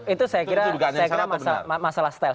itu saya kira masalah style